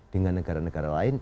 dengan negara negara lain